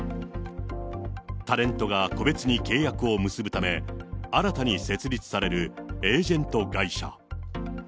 タレントが個別に契約を結ぶため、新たに設立されるエージェント会社。